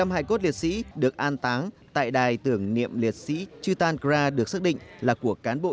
một mươi năm hải cốt liệt sĩ được an táng tại đài tưởng niệm liệt sĩ chư tan cơ ra được xác định là của cán bộ